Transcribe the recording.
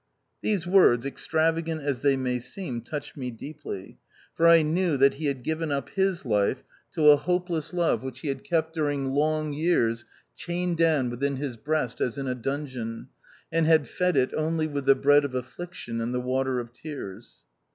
These words, extravagant as they may seem, touched me deeply, for I knew that he had given up his life to a hopeless love which 148 THE OUTCAST. he had kept during long years chained down within his breast, as in a dungeon, and had fed it only with the bread of affliction and the water of tears.